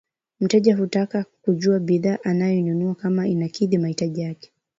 mteja hutaka kujua bidhaa anayoinunua kama inakidhi mahitaji yake